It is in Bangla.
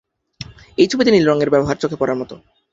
এই ছবিতে নীল রঙের ব্যবহার চোখে পড়ার মতো।